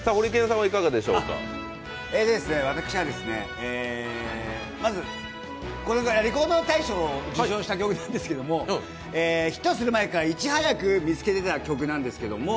私は「レコード大賞」を受賞した曲なんですけどヒットする前からいち早く見つけてたんですけど。